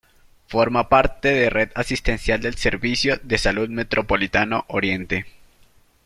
Forma parte de la red asistencial del Servicio de Salud Metropolitano Oriente.